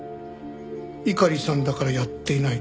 猪狩さんだからやっていない。